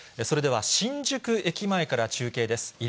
それでは新宿駅前から中継です。